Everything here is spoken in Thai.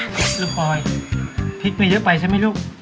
ลูกปอยพริกมีเยอะไปใช่ไหมลูก